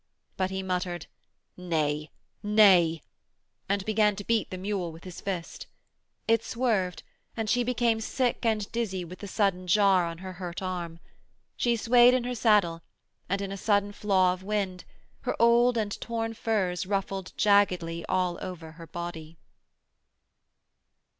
But he muttered, 'Nay, nay,' and began to beat the mule with his fist. It swerved, and she became sick and dizzy with the sudden jar on her hurt arm. She swayed in her saddle and, in a sudden flaw of wind, her old and torn furs ruffled jaggedly all over her body.